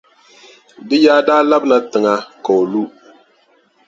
Di yaa daa labina tiŋa ka o lu.